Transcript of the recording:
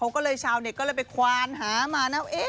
ก็เลยไปควานหามา